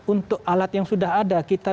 untuk alat yang sudah ada kita